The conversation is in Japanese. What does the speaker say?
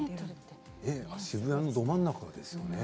渋谷のど真ん中ですよね